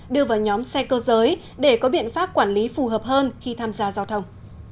đưa vào nhóm xe cơ giới để có biện pháp quản lý phù hợp hơn khi tham gia giao thông